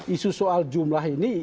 isu soal jumlah ini